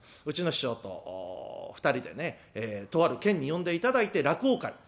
うちの師匠と２人でねとある県に呼んでいただいて落語会。